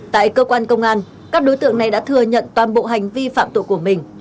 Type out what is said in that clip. tại cơ quan công an các đối tượng này đã thừa nhận toàn bộ hành vi phạm tội của mình